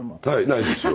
ないですよ。